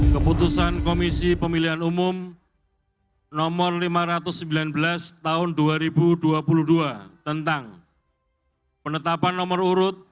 keputusan komisi pemilihan umum nomor lima ratus sembilan belas tahun dua ribu dua puluh dua tentang penetapan nomor urut